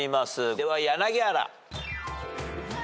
では柳原。